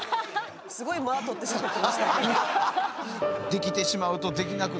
すごい間取ってしゃべってましたけど。